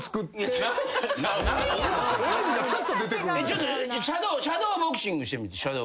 ちょっとシャドーボクシングしてみて。